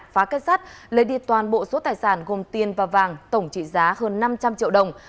phá kết sắt lấy đi toàn bộ số tài sản gồm tiền và vàng tổng trị giá hơn năm trăm linh triệu đồng